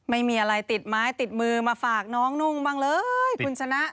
ไม่มีอะไรติดไม้ติดมือมาฝากน้องนุ่งบ้างเลยคุณชนะ